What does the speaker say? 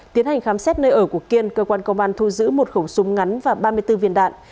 tiến hành khám xét nơi ở của kiên cơ quan công an thu giữ một khẩu súng ngắn và ba mươi bốn viên đạn